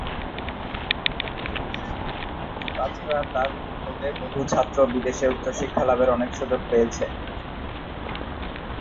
তা ছাড়া তার উদ্যোগে বহু ছাত্র বিদেশে উচ্চশিক্ষা লাভের অনেক সুযোগ পেয়েছে।